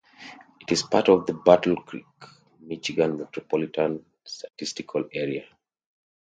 It is part of the Battle Creek, Michigan Metropolitan Statistical Area.